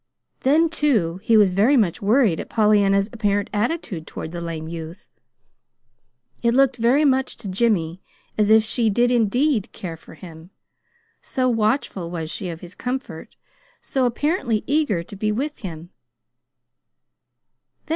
Then, too, he was very much worried at Pollyanna's apparent attitude toward the lame youth. It looked very much to Jimmy as if she did indeed care for him, so watchful was she of his comfort, so apparently eager to be with him.